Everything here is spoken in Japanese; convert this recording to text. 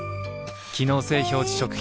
機能性表示食品